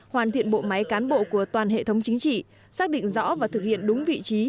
hoàn thiện bộ máy cán bộ của toàn hệ thống chính trị xác định rõ và thực hiện đúng vị trí